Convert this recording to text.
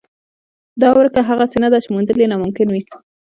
دا ورکه هغسې نه ده چې موندل یې ناممکن وي.